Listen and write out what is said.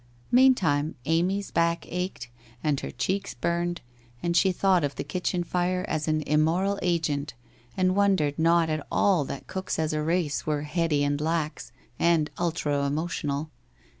Meantime Amy's back ached, and her cheeks burned, and she thought of the kitchen fire as an immoral agent and wondered not at all that cooks as a race, were heady and lax, and ultra emotional.